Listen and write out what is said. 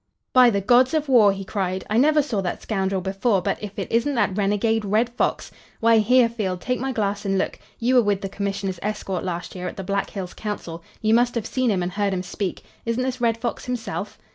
"By the gods of war!" he cried. "I never saw that scoundrel before, but if it isn't that renegade Red Fox Why, here, Field! Take my glass and look. You were with the commissioners' escort last year at the Black Hills council. You must have seen him and heard him speak. Isn't this Red Fox himself?"